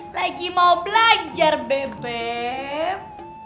lagi mau belajar beb beb